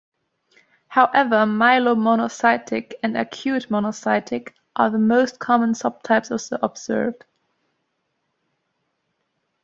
However, myelomonocytic and acute monocytic are the most common subtypes observed.